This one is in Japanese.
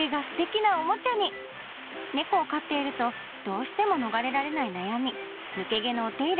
ねこを飼っているとどうしても逃れられない悩み抜け毛のお手入れ。